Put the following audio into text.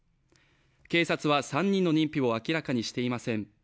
警察は３人の認否を明らかにしていません。